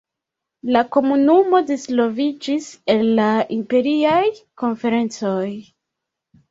La Komunumo disvolviĝis el la Imperiaj Konferencoj.